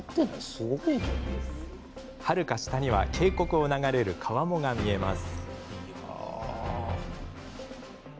はるか下には渓谷を流れる川面が見えます。